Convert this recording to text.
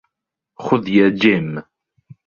خذ يا جيم.